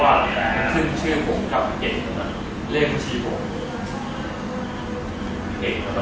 แล้วคือผมกับเก๊งเรฟเจดชีพผม